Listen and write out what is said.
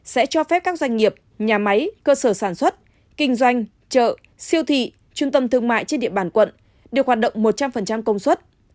sẽ cho phép các doanh nghiệp nhà máy cơ sở sản xuất kinh doanh chợ siêu thị trung tâm thương mại trên địa bàn quận được hoạt động một trăm linh công suất